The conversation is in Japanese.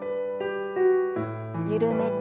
緩めて。